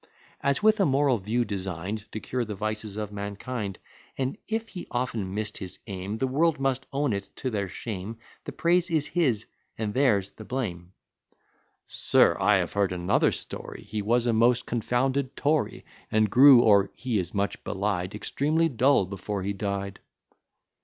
As with a moral view design'd To cure the vices of mankind: And, if he often miss'd his aim, The world must own it, to their shame, The praise is his, and theirs the blame. "Sir, I have heard another story: He was a most confounded Tory, And grew, or he is much belied, Extremely dull, before he died."